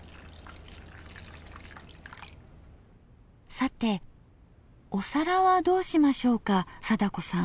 さてお皿はどうしましょうか貞子さん。